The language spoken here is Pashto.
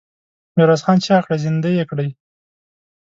ميرويس خان چيغه کړه! زندۍ يې کړئ!